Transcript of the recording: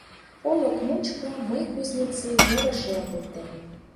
Олык мучко «Мы — кузнецы» муро шергылте.